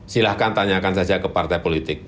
silahkan tanyakan saja ke partai politik